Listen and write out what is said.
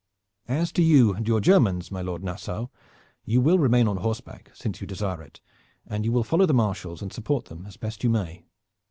As to you and your Germans, my Lord Nassau, you will remain upon horseback, since you desire it, and you will follow the Marshals and support them as best you may.